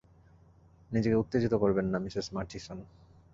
নিজেকে উত্তেজিত করবেন না, মিসেস মার্চিসন।